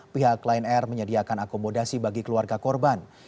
pihak lion air menyediakan akomodasi bagi keluarga korban